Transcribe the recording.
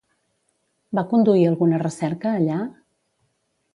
Va conduir alguna recerca, allà?